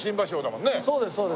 そうですそうです。